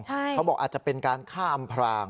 ใช่เขาบอกอาจจะเป็นการข้ามพราง